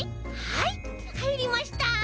はいはいりました！